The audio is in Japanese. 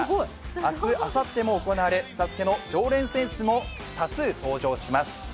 明日、あさっても行われ、「ＳＡＳＵＫＥ」の常連選手も多数、登場します。